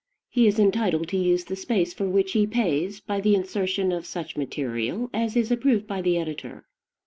He is entitled to use the space for which he pays by the insertion of such material as is approved by the editor.